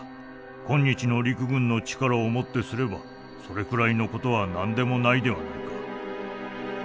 今日の陸軍の力を持ってすればそれくらいのことは何でもないではないか。